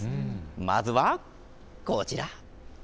まずはこちら。